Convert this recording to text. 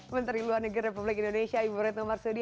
menteri luar negeri republik indonesia ibu retno marsudi